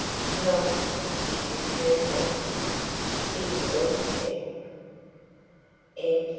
"Nonsense!" she returned lightly. "It is all settled." CHAPTER III.